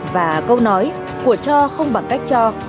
và câu nói của cho không bằng cách cho